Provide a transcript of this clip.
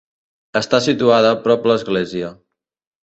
Està situada prop l'església.